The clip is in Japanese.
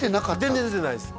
全然出てないです